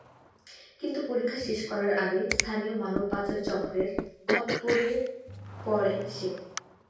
কিন্তু পরীক্ষা শেষ করার আগেই স্থানীয় মানব পাচার চক্রের খপ্পরে পরে সে।